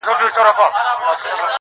پر مخ وريځ.